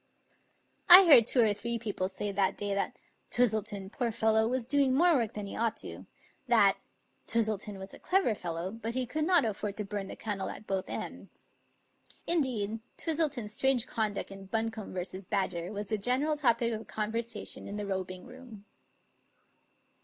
I heard two or three people say that day that "Twis tleton, poor fellow, was doing more work than he ought to"; that "Twistleton was a clever fellow, but he could not afford to bum the candle at both ends." Indeed, Twis tleton's strange conduct in Buncombe v. Badger was the general topic of conversation in the robing room.